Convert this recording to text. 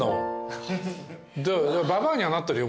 ばばあにはなってるよ